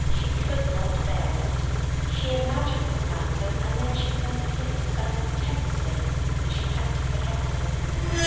she could not bear it. She imagined the phantom, and then she wanted him so intensely that she had to forget him.